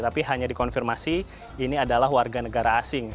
tapi hanya dikonfirmasi ini adalah warga negara asing